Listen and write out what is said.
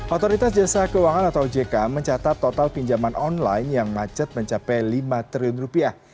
otoritas jasa keuangan atau ojk mencatat total pinjaman online yang macet mencapai lima triliun rupiah